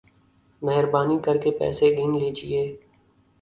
مہربانی کر کے پیسے گن لیجئے